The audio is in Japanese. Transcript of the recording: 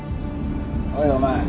おいお前。